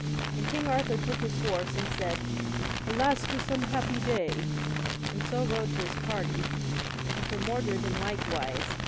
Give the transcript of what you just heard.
And king Arthur took his horse, and said, Alas this unhappy day, and so rode to his party: and Sir Mordred in like wise.